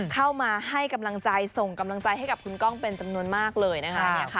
เข้ามาให้กำลังใจส่งกำลังใจให้กับคุณก้องเป็นจำนวนมากเลยนะคะ